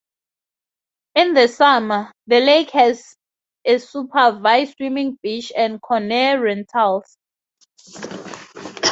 In the summer, the lake has a supervised swimming beach and canoe rentals.